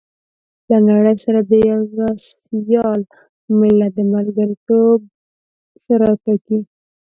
له نړۍ سره د يوه سيال ملت د ملګرتوب شرايط ټاکي.